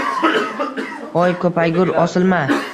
Hoy ko‘paygur, osilma!